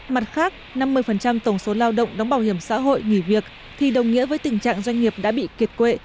mặt khác năm mươi tổng số lao động đóng bảo hiểm xã hội nghỉ việc thì đồng nghĩa với tình trạng doanh nghiệp đã bị kiệt quệ